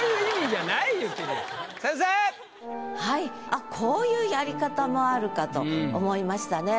あっこういうやり方もあるかと思いましたね。